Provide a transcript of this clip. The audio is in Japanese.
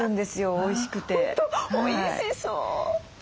本当おいしそう！